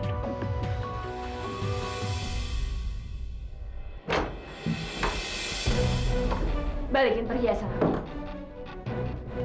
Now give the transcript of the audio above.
balikin perhiasan aku